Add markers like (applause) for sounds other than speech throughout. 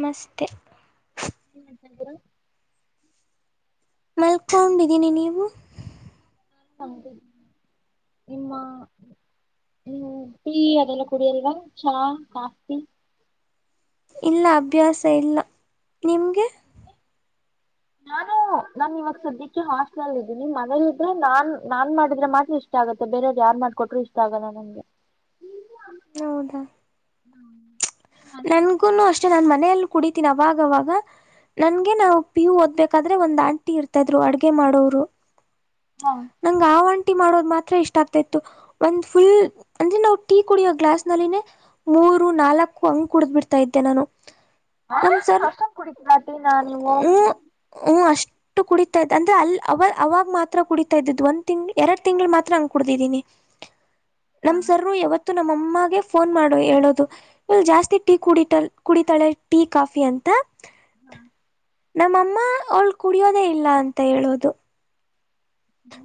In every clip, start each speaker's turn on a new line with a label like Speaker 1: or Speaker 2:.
Speaker 1: ನಮಸ್ತೆೆ
Speaker 2: ಏನ್ ಮಾಡತಿದರು (inaudible)
Speaker 1: ಮಲ್ಕೊಂಡಿದ್ದೀನಿ ನೀವು
Speaker 2: ನಿಮ್ಮ ಹ್ಮ್ ಟೀ ಅದೆಲ್ಲ ಕುಡಿಯಲ್ವಾ ಚಾ ಕಫಿ
Speaker 1: ಇಲ್ಲ ಅಭ್ಯಾಸ ಇಲ್ಲ ನಿಮ್ಗೆ
Speaker 2: ನಾನು ನಾನ ಇವಾಗ ಸದ್ಯಕ್ಕೆ ಹಾಸ್ಟೆಲ್ ಅಲ್ ಇದೀಿ ನಿಮ್ ಮನೇಲಿ ಇದ್ರೆ ನಾನ್ ನಾನ್ ಮಾಡಿದ್ರೆ ಮಾತ್ರ ಇಷ್ಟ ಆಗತ್ತೆ ಬೇರೆಯವ್ರರು ಯಾರ ಮಾಡ್ಕೊಟ್ರರು ಇಷ್ಟ ಆಗಲ್ಲ ನನ್ಗೆ
Speaker 1: ಹೌದಾ ನನ್ಗುನು ಅಷ್ಟೇ ನನ್ ಮನೆಯಲ್ಲಿ ಕುಡಿತೀನಿ ಅವಾಗವಾಗ ನನ್ಗೆ ನಾವು ಪಿಯು ಓದ್ಬೇಕಾದ್ರೆ ಒಂದ್ ಆಂಟಿ ಇರ್ತಾ ಇದ್ರು ಅಡ್ಗೆ ಮಾಡೋರು
Speaker 2: ಹಾ
Speaker 1: ನಂಗ ಆಂಟ ಮಾಡೋ ಮಾತ್ರ ಇಷ್ಟ ಆಗ್ತ ಇತ್ತು ಒಂದ ಫುಲ್ ಅಂದ್ರೆ ನಾವು ಟೀ ಕುಡಿಯೋ ಗ್ಲಾಸ್ ನಲ್ಲಿ ಮೂರು ನಾಲ್ ಹಂಗ್ ಕುಡ್ ಬಿಡ್ತಾ ಇದ್ದೆ ನಾನು ನಮ ಸರ್
Speaker 2: ಅಷ್ಟೊಂದ್ ಕುಡಿತೀರಾ ಟೀನಾ ನೀವು
Speaker 1: ಹೂ ಹೂ ಅಷ್ಟ ಟ್ಟ ಕುಡಿತಾ ಇದ ಅಂದ್ರೆ ಅ ಅವ ಅವಾಗ ಮಾತ್ರ ಕುಡಿತಾ ಇದ್ದದು ಒಂದ ತಿಂಗ್ ಎರಡ್ ತಿಂಗಳು ಮಾತ್ರ ಹಂಗ ಕುಡತಿದ್ದೀನಿ
Speaker 2: ಹಾ
Speaker 1: ನಮ್ ಸರ್ರು ಯಾವತ್ತು ಇ ನಮ್ಮಮ್ಮಗೆ ಫೋನ್ ಮಾಡು ಹೇಳೋದು ಇಲ್ ಜಾಸ್ತಿ ಟೀ ಕು ಕುಡಿತಾಳೆ ಟೀ ಕಾಫಿ ಅಂತ
Speaker 2: ಹ್ಮ
Speaker 1: ನಮ್ಮಮ್ಮ ಅವಳ್ ಕುಡಿಯೋದೇ ಇಲ್ಲ ಅಂತ ಹೇಳೋದು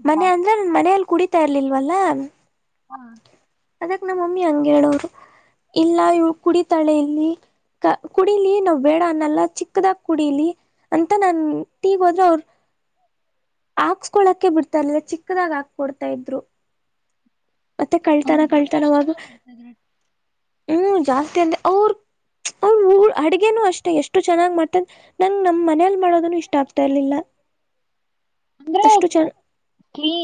Speaker 1: ಮನೆ ಅಂದ್ರೆ ನ ಮನ. ಕುಡಿತಾ ಇರ್ಲಿಲ್ವಲ್ಲ.
Speaker 2: ಹ್ಮ.
Speaker 1: ಅದಕ್ ನಮ ಮಮ್ಮಿ ಹಂಗ ಹೇಳೋರು ಇಲ್ಲ ಇವ ಕುಡಿತಾಳೆ ಇಲ್ಲಿ ಕುಡೀಲಿ ನಾವ್ ಬೇಡ ಅನ್ನಲ್ಲ ಚಿಕ್ಕದಾಗ ಕುಡೀಲಿ ಅಂತ ನಾ ತೀಗ ಹೋದ್ರೆ ಅವ್ರ. ಹಾಕ್ಸ್ಕೊಳಕೆ ಬಿಡ್ತರ್ಲಿಲ್ಲ ಚಿಕ್ಕದಾಗ ಹಾಕ್ಕೊಡ್ತಾ ಇದ್ರು ಮತ್ತೆ ಕಳ್ತಾನ
Speaker 2: ಹೌದಾ, ಅಂದ್ರೆ
Speaker 1: ಕಳ್ತಾನ
Speaker 2: ಅಷ್ಟ್
Speaker 1: ಮಾಗ.
Speaker 2: ಚೆನ್ನಾಗ್ ಮಾಡ್ತಾ ಇದ್ರ
Speaker 1: ಹ್ಮ್ ಜಾಸ್ತಿ ಅಂದೆ ಅವ್ರ ಅವ್ರ ಅಡ್ಗೆನೂ ಅಷ್ಟೆ ಎಷ್ಟು ಚೆನ್ನಾಗ್ ಮಾಡ್ತದ ನಂಗ್ ನಮ್ ಮನೇಲ್ ಮಾಡೋದನು ಇಷ್ಟ ಆಗ್ತಾ ಇರ್ಲಿಲ್ಲ.
Speaker 2: ಅಂದ್ರೆ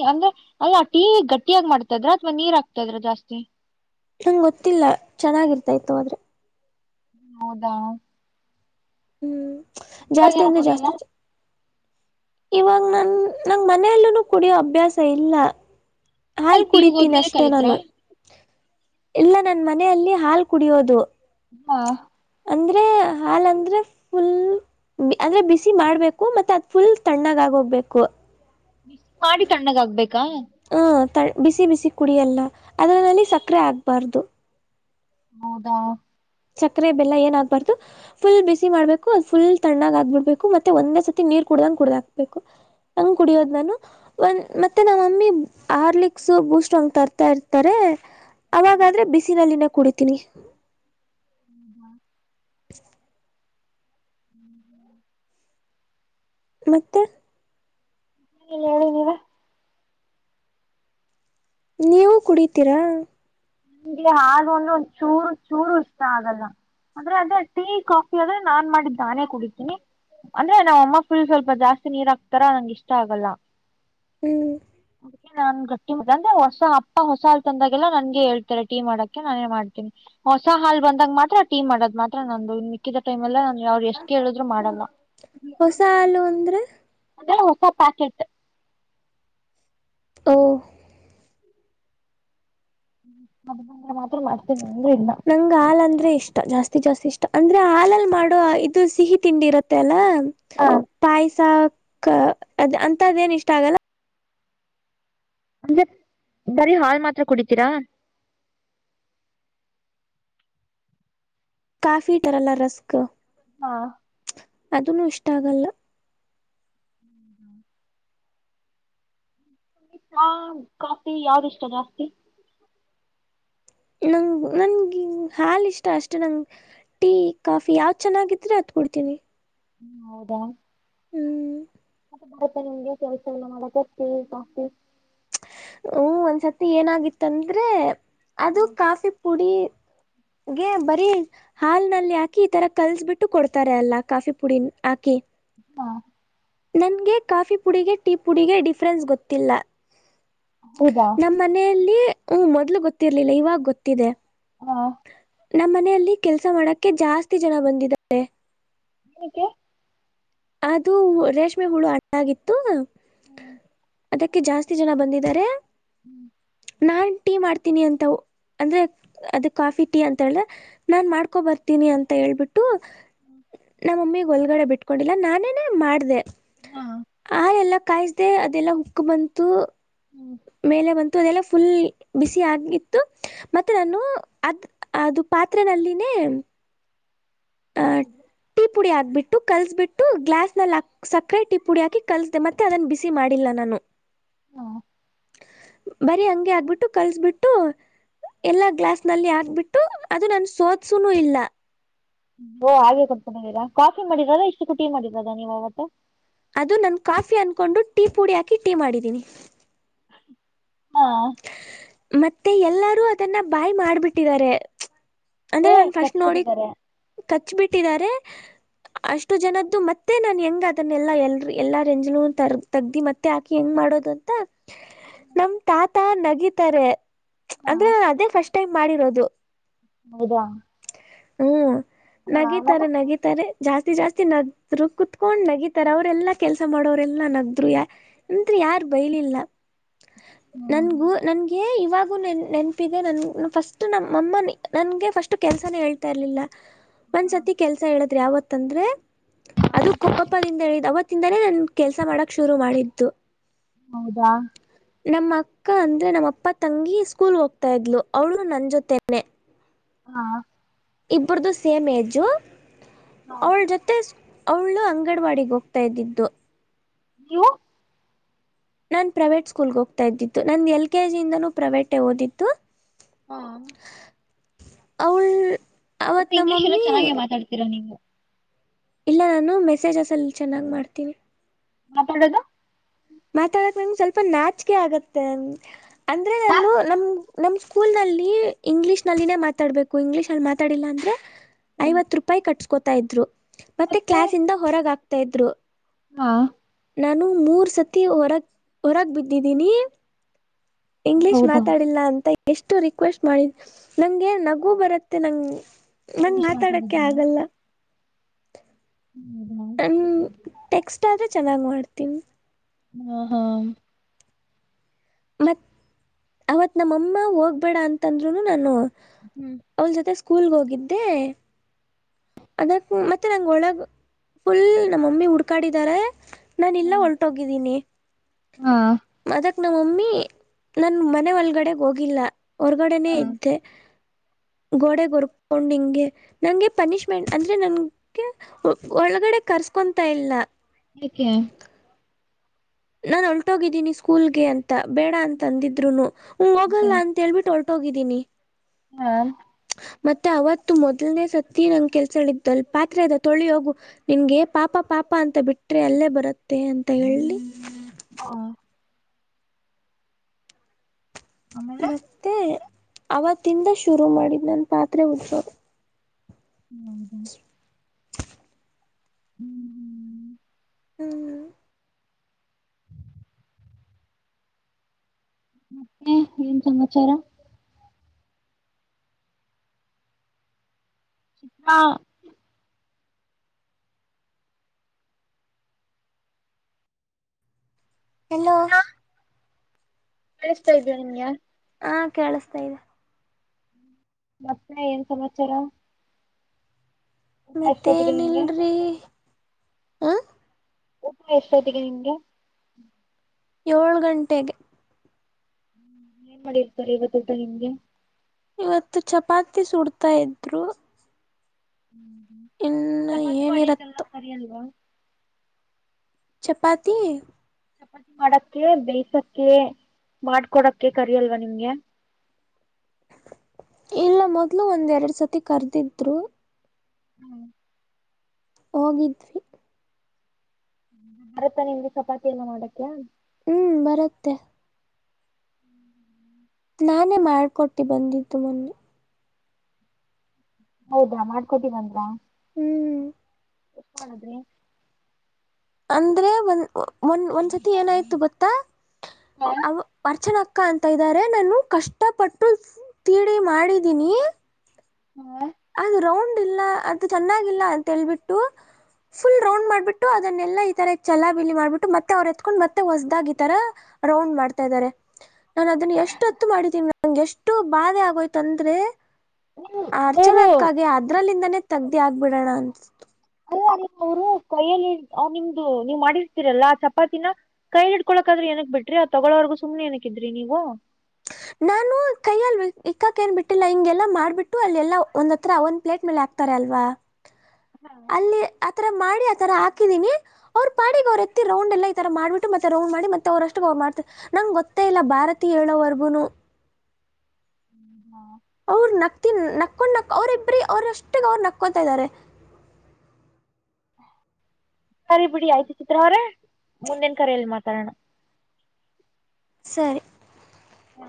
Speaker 2: ಅಂದ್ರೆ ಅಲ್ಲ ಟೀ ಗಟ್ಟ ಯಾಗಿ ಮಾಡ್ತದ್ರ ಅಥವಾ ನೀರಗ್ತದ್ರ ಜಾಸ್ತಿ.
Speaker 1: ನಂಗ್ ಗೊತ್ತಿಲ್ಲ ಚೆನ್ನಾಗಿರ್ತ ಇತ್ತು ಹದ್ರೆ.
Speaker 2: ಹೌದಾ.
Speaker 1: ಹ್ಮ್.
Speaker 2: ಇವಾಗ ಏನು
Speaker 1: ಜಾಸ್ತಿಯಿಂದ
Speaker 2: ಕುಡಿಯಲ್ಲ
Speaker 1: ಜಾಸ್ತಿ. ಇವಾಗ ನನ್ ನಂಗ ಮನೆಯಲ್ಲು ಕುಡಿಯೋ ಅಭ್ಯಾಸ ಇಲ್ಲ. ಹಾಲ್
Speaker 2: ಅಲ್ಲಿ ಪಿ ಯು
Speaker 1: ಕುಡಿತೀನಿ
Speaker 2: ಹೋದ್ಮೇಲೆ
Speaker 1: ಅಷ್ಟೆ
Speaker 2: ಕಲಿತ್ರಾ
Speaker 1: ನಾನು. ಇಲ್ಲ ನನ್ ಮನೆಯಲ್ಲಿ ಹಾಲ್ ಕುಡಿಯೋದು.
Speaker 2: ಹಾ.
Speaker 1: ಅಂದ್ರೆ ಹಾಲ ಅಂದ್ರೆ ಫುಲ್ ಅಂದ್ರೆ ಬಿಸಿ ಮಾಡ್ಬೇಕು ಮತ್ತೆ ಅದ್ ಫುಲ್ ತಣ್ಣಗ ಆಗೋಗ್ಬೇಕು.
Speaker 2: ಬ ಮಾಡಿ ತಣ್ಣಗ ಆಗ್ಬೇಕಾ.
Speaker 1: ಹ್ಞೂ ಬಿಸಿ ಬಿಸಿ ಕುಡಿಯಲ್ಲ ಅದ್ರಲ್ಲಿ ಸಕ್ಕರೆ ಆಗ್ಬಾರ್ದು.
Speaker 2: ಹೌದಾ.
Speaker 1: ಸಕರೆ ಬೆಲ್ಲ ಏನ ಆಗ್ಬಾರ್ದು ಫುಲ್ ಬಿಸಿ ಮಾಡ್ಬೇಕು ಅದು ಫುಲ್ ತಣ್ಣಾಗ ಆಗ್ಬಿಡ್ಬೇಕು ಮತ್ತೆ ಒಂದೇ ಸತಿ ನೀರ್ ಕುಡ್ದಂಗ ಕುಡ್ದ ಹಾಕ್ಬೇಕು ಹಂಗ್ ಕುಡಿಯೋದ್ ನಾನು ಒಂದ್ ಮತ್ತೆ ನಮ್ಮಮ್ಮಿ ಆರ್ಲಿಕ್ಸ್ ಬೂಸ್ಟ್ ಹಂಗ್ ತರ್ತಾ ಇರ್ತಾರೆ. ಅವಾಗಾದ್ರೆ ಬಿಸಿನಲ್ಲಿನ. ಕುಡಿತೀನಿ.
Speaker 2: ಹ್ಮ ಹ್ಮ. ಹ್ಮ್. (inaudible)
Speaker 1: ಮತ್ತೆ.
Speaker 2: ಹ ಹೇಳಿ ನೀವೇ
Speaker 1: ನೀವು ಕುಡಿತೀರಾ.
Speaker 2: ನಂಗೆ ಹಾಗ ಒಂದು ಚೂರು ಚೂರು ಇಷ್ಟ ಆಗಲ್ಲ ಅಂದ್ರೆ ಅದೇ ಟೀ ಕಾಫಿ ಆದ್ರೆ ನಾನ್ ಮಾಡಿ ದಾನೇ ಕುಡಿತೀನಿ ಅಂದ್ರೆ ನ ಅಮ್ಮ ಫುಲ್ ಸ್ವಲ್ಪ ಜಾಸ್ತಿ ನೀರು ಹಾಕ್ತಾರ ನಂಗೆ ಇಷ್ಟ ಆಗಲ್ಲ.
Speaker 1: ಹ್ಞೂ
Speaker 2: ಅದಕ್ಕೆ ನಾನ್ ಗಟ್ಟಿುದು ಅಂದೆ ಹೊಸ ಅಪ್ಪಾ ಹೊಸ ಆತಂದಾಗೆಲ್ಲ ನನ್ಗೆ ಹೇಳ್. ರ ಟೀ ಮಾಡಕ ನಾನೇ ಮಾಡ್ತೀನಿ ಹೊಸ ಹಾಲ್ ಬಂದಾಗ ಮಾತ್ರ ಟೀ ಮಾಡೋದ್ ಮಾತ್ರ ನಂದು. ಮಿಕ್ಕಿದ ಟೈಮ್ ಎಲ್ಲ ನಾನ್ ಅವ್ರು ಎಷ್ಟ್ ಕೇಳಿದ್ರು ಮಾಡಲ್ಲ
Speaker 1: ಹೊಸ ಹಾಲು ಅಂದ್ರೆ.
Speaker 2: ಅಂದ್ರೆ ಹೊಸ ಪ್ಯಾಕೆಟ್.
Speaker 1: ಓ.
Speaker 2: ಮಾತ್ರ ಮಾಡ್ತೀನಿ ಅಂದ್ರೆ ಇಲ್ಲ
Speaker 1: ನಂಗ್ ಹಾ ಅಂದ್ರೆ ಇಷ್ಟ ಜಾಸ್ತಿ ಜಾಸ್ತಿ ಇಷ್ಟ. ಅಂದ್ರೆ ಹಾಲಲ್ ಮಾಡುವ ಇದು ಸಿಹಿ ತಿಂಡಿ ಇರತ್ತೆ ಅಲ್ಲಾ. ಪಾಯಸ ಕ ಅದ್ ಅಂತದೇನ್ ಇಷ್ಟ ಆಗಲ್ಲ.
Speaker 2: (inaudible) ಬರೀ ಹಾಲ್ ಮಾತ್ರ ಕುಡಿತೀರಾ
Speaker 1: ಕಾಫಿ ತರಲ ರಸ್ಕ್
Speaker 2: ಹಾ
Speaker 1: ಅದನ್ನುೂ ಇಷ್ಟ ಆಗಲ್ಲ
Speaker 2: (unintelligible) ಚಾ ಕಾಫಿ ಯಾವ್ದ ಇಷ್ಟ ಜಾಸ್ತಿ
Speaker 1: ನಂ ನನ್ಗೆ ಹಾಲ ಇಷ್ಟ ಅಷ್ಟೇ ನಂ ಟೀ ಕಾಫಿ ಯಾವ್ ಚೆನ್ನಾಗಿದ್ರೆ ಅತ್ ಕೊಡ್ತೀನಿ
Speaker 2: ಹ್ಮ ಹೌದಾ
Speaker 1: ಹ್ಮ್
Speaker 2: ಮಾಡತ ನಿಮಗೆ ಕೆಲಸ ಮಾಡಕ ಕಾಫಿ
Speaker 1: ಹ್ಮ ಒಂದ್ಸತಿ ಏನಾಗಿತ್ತಂದ್ರೆ ಅದು ಕಾಫಿ ಪುಡಿ ಗೆ ಬರೀ ಹಾಲ್ನಲ್ಲಿ ಹಾಕಿ ಈ ತರ ಕಲ್ಸ್ಬಿಟ್ಟು ಕೊಡ್ತಾರೆ ಅಲ್ಲಾ ಕಾಫಿ ಪುಡಿ ಹಾಕಿ
Speaker 2: ಹಾ
Speaker 1: ನನ್ಗೆ ಕಾಫಿ ಪುಡಿಗೆ ಟೀ ಪುಡಿಗೆ ಡಿಫ್ರನ್ಸ್ ಗೊತ್ತಿಲ್ಲ
Speaker 2: ಹೌದಾ
Speaker 1: ನಮ್ಮ ಮನೆಯಲ್ಲಿ ಹ್ಮ್ ಮೊದ್ಲು ಗೊತ್ತಿರ್ಲಿಲ್ಲ ಇವಾಗ ಗೊತ್ತಿದೆ
Speaker 2: ಹಾ
Speaker 1: ನಮ್ಮ ಮನೆಯಲ್ಲಿ ಕೆಲ್ಸ ಮಾಡಕ್ಕೆ ಜಾಸ್ತಿ ಜನ ಬಂದಿದ್ದಾರೆ
Speaker 2: ಯಾಕೆ
Speaker 1: ಅದು ರೇಷ್ಮೆ ಹುಳು ಅಡಾಗಿತ್ತು
Speaker 2: ಹ್ಮ್ (inaudible)
Speaker 1: ಇದದಕ್ಕೆ ಜಾಸ್ತಿ ಜನ ಬಂದಿದ್ದಾರೆ
Speaker 2: ಹ್ಮ್ (inaudible)
Speaker 1: ನಾನ್ ಟೀ ಮಾಡ್ತೀನಿ ಅಂತ ಅಂದ್ರೆ ಅದ ಕಾಫಿ ಟೀ ಅಂತ ಹೇಳ್ರೆ ನಾನ್ ಮಾಡ್ಕೊ ಬರ್ತೀನಿ ಅಂತ ಹೇಳ್ಬಿಟ್ಟು
Speaker 2: ಹ್ಮ್ (inaudible)
Speaker 1: ಮಮ್ಮಿ ಒಳಗಡೆ ಬಿಟ್ಕೊಂಡು ಇಲ್ಲ ನಾನೇ ಮಾಡಿದೆ ಆ ಎಲ್ಲಾ ಕಾಯಸ್ದೆ ಅದೆಲ್ಲಾ ಉಕ್ಕ ಬಂತು
Speaker 2: ಹ್ಮ್
Speaker 1: ಮೇಲೆ ಬ ಅದೆಲ್ಲ ಫುಲ್ ಬಿಸಿ ಆಗಿತ್ತು ಮತ್ತೆ ನಾನು ಅದ್ ಅದು ಪಾತ್ರದಲ್ಲಿನೇ ಆ ಟೀ ಪುಡಿ ಆಗ್ಬಿಟ್ಟ ಕಲ್ಸಬಿಟ್ಟು ಗ್ಲಾಸ್ ನಲ್ಲಿ ಸಕರೆ ಟಿ ಪುಡಿ ಹಾಕಿ ಕಲಸ್ದ ಮತ್ತೆ ಅದನ್ನ ಬಿಸಿ ಮಾಡಿಲ್ಲ ನಾನು
Speaker 2: ಹಾ
Speaker 1: ಬರಿ ಹಂಗೆ ಆಕ್ಬಿಟ್ಟು ಕಲ್ಸ್ಬಿಟ್ಟು ಎಲ್ಲಾ ಗ್ಲಾಸ್ ನಲ್ಲಿ ಹಾಕ್ಬಿಟ್ಟು ಅದು ನಾನು ಸೋದಸುನು ಇಲ್ಲ
Speaker 2: ಓ ಹಾಗೆ ಕೊಡ್ಕೊಂಡೀರಾ ಕಾಫಿ ಮಾಡಿದದ ಇಷ್ಟು ಕುಟಿ ಮಾಡಿದ್ರದ ನೀವ್ವತ್ತು
Speaker 1: ಅದು ನಾನ ಕಾಫಿ ಅನ್ಕೊಂಡು ಟೀ ಪೂಡಿ ಹಾಕಿ ಟೀ ಮಾಡಿದ್ದೀನಿ
Speaker 2: ಹಾ
Speaker 1: ಮತ್ತೆ ಎಲ್ಲರೂ ಅದನ್ನ ಬಾಯ್ ಮಾಡ್ಬಿಟ್ಟಿದ್ದಾರೆ
Speaker 2: ಅಂದ್ರೆ ಖರ್ಚ್ ಬಿಟ್ಟಿದ್ದಾರೆ
Speaker 1: ಕಚ್ಬಿಟ್ಟಿದ್ದಾರೆ ಅಷ್ಟು ಜನದ್ದು ಮತ್ತೆ ನಾನನ್ ಹೆಂಗ್ ಅದನ್ನೆಲ್ಲಾ ಎಲ್ ಎಲ್ಲಾ ರಂಜಲು ತ ತಗ್ದಿ ಮತ್ತೆ ಹಾಕಿ ಹೆಂಗ್ ಮಾಡೋದು ಅಂತ (inaudible) ನಮ್ ಆತ ನಗಿತರೆ
Speaker 2: ಹಾ
Speaker 1: ಅಂದ್ರೆ ಅದೇ ಫಸ್ಟ್ ಟೈಮ್ ಮಾಡಿರೋದು ದ (unintelligible)
Speaker 2: ಹೌದಾ
Speaker 1: ಹ್ಮ
Speaker 2: ಹಾ ಆಮೇಲೆ
Speaker 1: ನಗಿತಾರೆ ನಗಿತಾರೆ ಜಾಸ್ತಿ ಜಾಸ್ತಿ ನದ್ರು ಕುೂತ್ಕೊಂಡ್ ನಗಿತಾರ ಅವರೆಲ್ಲಾ ಕೆಲ್ಸ ಮಾಡೋರೆೆಲ್ಲಾ ನಗ್ರು ಯ ಎಂತ್ ಯಾರ್ ಬೈಲಿಲ್ಲ
Speaker 2: ಹ್ಮ್
Speaker 1: ನನ್ಗೂ ನನ್ಗೆ ಇವಾಗ ಹಾಗು ನೆನಪಿದೆ ನ ಫಸ್ಟ್ ನಮ್ಮಮ್ಮ ನನ್ಗೆ ಫಸ್ಟ್ ಕೆಲಸನೇಳ್ತಾ ಇರ್ಲಿಲ್ಲ ಒಂದ್ಸತಿ ಕೆಲ್ಸ ಹೇಳದ್ರಿ ಯಾವತ್ ತಂದರೆ ಅದು ಕೋಪದಿಂದ ಅವತ್ತಿಂದಾನೇ ನನ್ ಕೆಲ್ಸ ಮಾಡಕ್ ಶುರು ಮಾಡಿದ್ದ ಮತ್ತು
Speaker 2: ಹೌದಾ
Speaker 1: ನಮ್ಮ ಅಕ್ಕ ಅಂದ್ರೆ ನಮ್ಮ ಅಪ್ಪ ತಂಗಿ ಸ್ಕೂಲ್ ಹೋಗ್ತಾ ಇದ್ಲು ಅವಳು ನನ್ನ ಜೊತೆನೆ
Speaker 2: ಹಾ
Speaker 1: ಇಬ್ಬ್ರದು ಸೇಮ್ ಏಜು ಅವಳು ಜೊತೆ ಅವಳು ಅಂಗನವಾಡಿಗೆ ಹೋಗ್ತಾ ಇದ್ದಿದ್ದು
Speaker 2: ನೀವು
Speaker 1: ನಾನನ್ ಪ್ರೈವೇಟ್ ಸ್ಕೂಲ್ಗೆ ಹೋಗ್ತಾ ಇದ್ದಿತ್ತು ನಂದು ಎಲ್ ಕೆ ಜಿ ಇಂದಾನೂ ಪ್ರೈವೇಟೇ ಓದಿತ್ತು
Speaker 2: ಹಾ
Speaker 1: ಅವಳು ಅವತ್ತು ನಮ್ಮ
Speaker 2: ಇಂಗ್ಲೀಷ್ ಎಲ್ಲ
Speaker 1: ಮಮ್ಮಿ
Speaker 2: ಚೆನ್ನಾಗಿ ಮಾತಾಡ್ತಿರಾ ನೀವು
Speaker 1: ಇಲ್ಲ ನಾನು ಮೆಸೇಜ್ಸಲ್ಲಿ ಚೆನ್ನಾಗಿ ಮಾಡ್ತೀನಿ
Speaker 2: ಮಾತಡದು
Speaker 1: ಮಾತಾಡಕ್ ನಂಗಗೆ ಸ್ವಲ್ಪ ನಾಚಿಕೆ ಆಗತ್ತೆ ಅಂದ್ರೆ
Speaker 2: ಹಾ
Speaker 1: ನಾನು ನಮ ನಮ್ಮ ಸ್ಕೂಲ್ನಲ್ಲಿ ಇಂಗ್ಲೀಷ್ನಲ್ಲಿನೇ ಮಾತಾಡಬೇಕು ಇಂಗ್ಲೀಷ್ಲ್ಲಿ ಮಾತಾಡಿಲ್ಲ ಅಂದರೆ
Speaker 2: ಹ್ಮ್.
Speaker 1: ಐವತ್ತು ರೂಪಾಯಿ ಕಟ್ ಕೋತಾ ಇದ್ರು ಮತ್ತೆ ಕ್ಲಾಸ್ ಇಂದ ಹೊರಗ ಹಾ ಕೆತಿದ್ದರು
Speaker 2: ಹಾ
Speaker 1: ನಾನು ಮೂರು ಸತಿ ಹೊರಗೆ ಹೊರಗೆ ಬಿದ್ದಿದ್ದೀನಿ ಇಂಗ್ಲಿೀಷ್
Speaker 2: ಹೌದಾ
Speaker 1: ಮಾತಾಡಿಲ್ಲ ಅಂತ ಎಷ್ಟು ರಿಕ್ವೆಸ್ಟ್ ಮಾಡಿ ನಂಗೆ ನಗು ಬರುತ್ತೆ ನಂ ನನ್
Speaker 2: ಇಂಗ್ಲಿಷ್
Speaker 1: ಮಾತಾಡಕ್ಕೆ
Speaker 2: ಮಾತಾಡಿದ್ರೇನಾ
Speaker 1: ಆಗಲ್ಲ
Speaker 2: ಹೌದಾ
Speaker 1: ಹ ಟೆಕ್ಸ್ಟ್ ಆದ ಚೆನ್ನಾಗಿ ಮಾಡ್ತೀನಿ
Speaker 2: ಹ್ಮ ಹಾ
Speaker 1: ಮತ್ ಅವತ್ ನಮ್ಮಮ್ಮ ಹೋಗ್ಬೇಡ ಅಂತಂದ್ರುನು ನಾನು
Speaker 2: ಹ್ಮ್
Speaker 1: ಅವಳ ಜೊತೆ ಸ್ಕೂಲ್ಗೆ ಹೋಗಿದ್ದೆ ಅದಕ್ಕೆ ಮತ್ತೆ ನಂಗೆ ಒಳಗೆ ಫುಲ್ ನಮ್ಮಮ್ಮಿ ಹುಡ್ಕಾಡಿದ್ದಾರೆ ನಾನ ಎಲ್ಲ ಹೊಲ್ಟೋಗಿದ್ದೀನಿ
Speaker 2: ಹಾ
Speaker 1: ಅದ ನಮ್ಮ ಮಮ್ಮಿ ನನ್ ಮನೆ ಒಳಗಡೆ ಹೋಗಿಲ್ಲ ಹೊರ್ಗಡೆನೆೇ
Speaker 2: ಹಾ
Speaker 1: ಇದ್ದೆ ಗೋಡೆ ಗೊರ್ಕೊಂಡ್ ನಿಂಗೆ ನಂಗೆ ಪನಿಶ್ಮೆಂಟ್ ಅಂದ್ರೆ ನಂಗೆ ಒಳಗಡೆ ಕರ್ಸ್ಕೊಂತಾ ಇಲ್ಲ
Speaker 2: ಕ್ಕೆ
Speaker 1: ನಾನ್ ಹೊಂಟೋಗಿದ್ದೀನಿ ಸ್ಕೂಲ್ಗೆ ಅಂತ ಬೇಡ ಅಂತ ಅಂದಿದ್ರುನು
Speaker 2: ಹಾ
Speaker 1: ಹೋಗಲ್ಲ ಅಅಂಥ ಹೇಳ್ಬಿಟ್ಟು ಹೋಗಿದ್ದೀನಿ
Speaker 2: ಹಾ
Speaker 1: ಮತ್ತೆ ಅವತ್ತು ಮೊದಲ್ನೇ ಸತಿ ನಂ ಕೆಲ್ಸಗಳ ಇದ್ದಲ್ ಪಾತ್ರ ಅದೆ ತೊಳಿ ಹೋಗು ನಿನ್ಗೆ ಪಾಪ ಪಾಪ ಅಂತ ಬಿಟ್ರೆ ಅಲ್ಲೇ ಬರುತ್ತೆ ಅಂತ ಹೇಳಿ
Speaker 2: ಹ ಆಮೇಲೆ
Speaker 1: ಮತ್ತೆ ಅವತ್ತಿಂದ ಶುರು ಮಾಡಿದ ನನ್ನ ಪಾತ್ರೆ ಉಜ್ಜದು
Speaker 2: ಹೌದ ಹ್ಮ್ ಹ್ಮ್
Speaker 1: ಹ್ಮ್ ಹ್ಮ
Speaker 2: ಮತ್ತೆ ಏನ್ ಸಮಾಚಾರ ಹಾ
Speaker 1: ಹಲೋ
Speaker 2: ಕಳಿಸ್ತಾ ಇದೀಯಾ ನಿಂಗೆ
Speaker 1: ಹಾ ಕೇಳಿಸ್ತಾ ಇದೆ
Speaker 2: ಮತ್ತೆ ಏನ್ ಸಮಾಚಾರ ಊಟ ಎಷ್ಟೊತ್ತಿಗೆ
Speaker 1: ಮತ್ತೇನ
Speaker 2: ನಿಮ್ಗೆ
Speaker 1: ಇಲ್ರಿ
Speaker 2: ಉಟ ಎಷ್ಟತಿಗೆ ನಿಂಗೆ
Speaker 1: ಏಳು ಗಂಟೆಗೆ
Speaker 2: ಹ್ಮ ಏನ್ ಮಾಡಿರ್ತಾರೆ ಇವತ್ತು ಊಟಾ ನಿಮಗೆ
Speaker 1: ಇವತ್ತು ಚಪಾತಿ ಸುಡ್ತಾ ಇದ್ರು
Speaker 2: ಹ್ಮ್ ಹ್ಮ್
Speaker 1: ಇನ್ನು
Speaker 2: ಚಪಾತಿ ಮಾಡಿಯಕ್ಕೆಲ್ಲ
Speaker 1: ಏನಿರತ್ತೋ
Speaker 2: ಕರಿ ಅಲ್ವಾ
Speaker 1: ಚಪಾತಿ
Speaker 2: ಚಪಾತಿ ಮಾಡಕ್ಕೆ ಬೇಯ್ಸಕ್ಕೆ ಮಾಡ್ಕೊಡಕ್ಕೆ ಕರಿ ಅಲ್ವಾ ನಿಮ್ಗೆ
Speaker 1: ಇಲ್ಲ ಮೊದ್ಲು ಒಂದ್ ಎರಡ್ ಸತಿ ಕರ್ದಿದ್ರು
Speaker 2: ಹ್ಮ್
Speaker 1: ಹೋಗಿದ್ವಿ
Speaker 2: ಬರ್ತಾ ನಿಂಗೆ ಚಪಾತಿ ಎಲ್ಲ ಮಾಡಕ
Speaker 1: ಹ್ಮ್ ಬರತ್ತೆ ನಾನೇ ಮಾಡ್ಕೊಟ್ಟಿ ಬಂದಿದ್ದು ಮೊನ್ನೆ
Speaker 2: ಹೌದಾ ಮಾಡ್ಕೊಟಿ ಬಂದ್ರ
Speaker 1: ಹ್ಮ್ ಹ್ಮ್
Speaker 2: ಎಸ್ಟ್ ಮಾಡಿದ್ರಿ
Speaker 1: ಅಂದ್ರೆ ಒಂದ -ಒಂದ ಒಂದ್ಸತಿ ಏನಾಯ್ತು ಗೊತ್ತಾ ಅವ ವರ್ಚನಾ ಕಂತ ಇದ್ದಾರೆ ನಾನು ಕಷ್ಟಪಟ್ಟು ತಿಡಿ ಮಾಡಿದೀನಿ
Speaker 2: (inaudible)
Speaker 1: ಅದು ರೌಂಡ್ ಇಲ್ಲ ಅದು ಚೆನ್ನಾಗಿಲ್ಲ ಅಂತೇಳ್ಬಿಟ್ಟು ಫುಲ್ ರೌಂಡ್ ಮಾಡ್ಬಿಟ್ಟು ಅದನ್ನೆಲ್ಲಾ ಈ ತರ ಚಲಾ ಬಿಲಿ ಮಾಡ್ಬಿಟ್ಟು ಮತ್ತೆ ಅವರು ಎತ್ಕೊಂಡ್ ಮತ್ತೆ ಹೊಸ್ದಾಗ ಈತರ ರೌಂಡ್ ಮಾಡ್ತಾ ಇದಾರೆ ನಾನನ್ ಅದನ್ನ ಎಷ್ಟು ಹತ್ತು ಮಾಡೀದಿನಿ ನಂಗೆ ಎಷ್ಟು ಬಾಧೆ ಆಗೋಯ್ತಂದ್ರೆ
Speaker 2: ಹ್ಮ ಮೂರು
Speaker 1: ಹಾಗೆ ಅದ್ರಲ್ಲಿಂದಾನೇ ತಗ್ದಿ ಆಗ್ಬಿಡೋಣ ಅನ್
Speaker 2: ಅಲ್ಲ ಅ ಅವ್ರು ಕೈಯಲ್ಲಿ ನಿಮ್ದು ನೀವ್ ಮಾಡಿರ್ತೀರಲ್ಲಾ ಆ ಚಪಾತಿನ ಕೈಯಲ್ಲಿ ಇಡ್ಕೊಳಕಾದ್ರೆ ಏನಕ್ ಬಿಟ್ರಿ ಆ ತಗೊಳೋವರ್ಗು ಸುಮನೆ ಏನಕ್ಕಿದ್ರಿ ನೀವು
Speaker 1: ನಾನು ಕೈಯಲ್ಲಿ ಇಕ್ಕಕ್ಕ ಏನ್ ಬಿಟ್ಟಿಲ್ಲ ಹಿಂಗೆಲ್ಲಾ ಮಾಡ್ಬಿಟ್ಟು ಅಲ್ಲಲ್ಲಾ ಒಂದ್ ಹತ್ರ ಒಂದ್ ಪ್ಲೇಟ್ ಮೇಲೆ ಹಾಕ್ತಾರ ಅಲ್ವಾ ಅಲ್ಲಿ ಆತರ ಮಾಡಿ ತರ ಹಾಕಿದೀನಿ ಅವ್ರಾ ಪಾಡಿಗೆ ಅವ್ರು ಎತ್ತಿ ರೌಂಡ್ ಎಲ್ಲ ಈ ತರ ಮಾಡ್ಬಿಟ್ಟು ಮತ್ತೆ ರೌಂಡ್ ಮಾಡಿ ಮತ್ತೆ ಅವ್ರಷ್ಟು ಮಾಡ್ತಾರೆ ನಂಗ್ ಗೊತ್ತೇ ಇಲ್ಲ ಭಾರತೀ ಹೇಳೋವರ್ಗುನು
Speaker 2: ಹ್ಮ ಹಾ (inaudible)
Speaker 1: ಅವ್ರ ನಕ್ತಿ ನಕೊಂಡ್ ನ ಅವ್ರಿಬ್ರಿ ಅವ್ರಷ್ಟಗ ಅವ್ರು ನಕೊತಾ ಇದಾರೆ
Speaker 2: ಸರಿ ಬಿಡಿ ಆಯ್ತು ಚಿತ್ರ ಅವ್ರ ಮುಂದಿನ ಕರೆಯಲ್ಲಿ ಮಾತಾಡೋಣ
Speaker 1: ಸರಿ
Speaker 2: ಹಾ